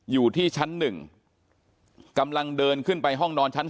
อยู่ที่ชั้น๑กำลังเดินขึ้นไปห้องนอนชั้น๓